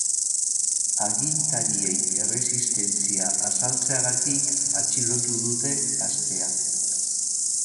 Agintariei erresistentzia azaltzeagatik atxilotu dute gaztea.